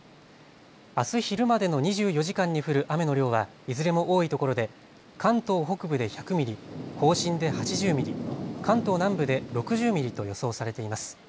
あす昼までの２４時間に降る雨の量はいずれも多いところで関東北部で１００ミリ、甲信で８０ミリ、関東南部で６０ミリと予想されています。